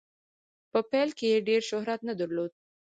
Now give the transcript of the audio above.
په پیل کې یې ډیر شهرت نه درلود.